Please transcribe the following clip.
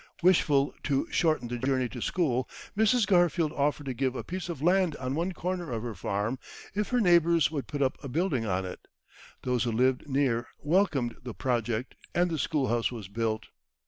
Wishful to shorten the journey to school, Mrs. Garfield offered to give a piece of land on one corner of her farm, if her neighbours would put up a building on it. Those who lived near welcomed the project, and the schoolhouse was built.